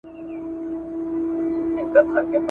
که شکمن وو، چي څو طلاقونه ئې ويلي دي.